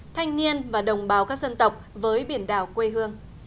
thanh niên và đồng bào các dân tộc với biển đảo quê hương